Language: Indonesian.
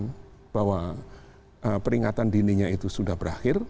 jadi kita tidak kekira bahwa peringatan dininya itu sudah berakhir